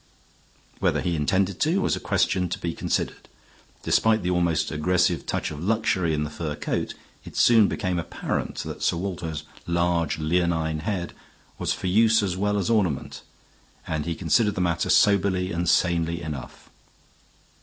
Whether he intended to do so was a question to be considered. Despite the almost aggressive touch of luxury in the fur coat, it soon became apparent that Sir Walter's large leonine head was for use as well as ornament, and he considered the matter soberly and sanely enough.